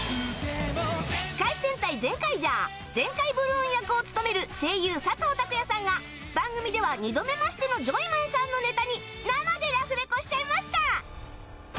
『機界戦隊ゼンカイジャー』ゼンカイブルーン役を務める声優佐藤拓也さんが番組では二度目ましてのジョイマンさんのネタに生でラフレコしちゃいました